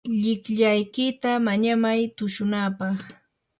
llikllaykita mañamay tushunapaq.